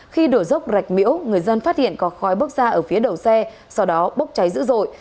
khi đổ dốc rạch miễu người dân phát hiện có khói bốc ra ở phía đầu xe sau đó bốc cháy dữ dội